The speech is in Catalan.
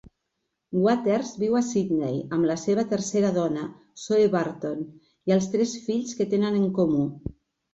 Waters viu a Sydney amb la seva tercera dona, Zoe Burton, i els tres fills que tenen en comú.